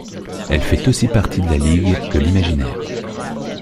Elle fait aussi partie de la Ligue de l'Imaginaire.